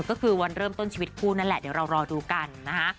ก็คือวันเริ่มต้นชีวิตคู่นั่นแหละเดี๋ยวเรารอดูกันนะคะ